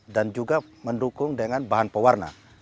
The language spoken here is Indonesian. dan juga mendukung dengan bahan pewarna